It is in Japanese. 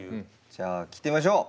じゃあ聴いてみましょう。